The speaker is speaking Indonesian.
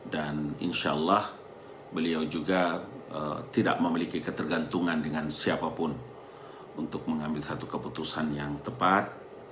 dan insya allah beliau juga tidak memiliki ketergantungan dengan siapapun untuk mengambil satu keputusan yang tepat